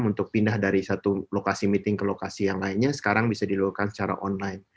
untuk pindah dari satu lokasi meeting ke lokasi yang lainnya sekarang bisa dilakukan secara online